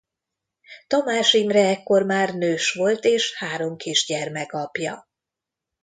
Tamás Imre ekkor már nős volt és három kisgyermek apja.